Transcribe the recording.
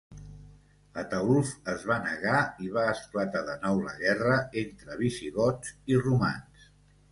Ataülf es va negar i va esclatar de nou la guerra entre visigots i romans.